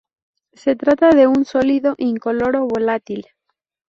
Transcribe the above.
Se trata de un sólido incoloro volátil.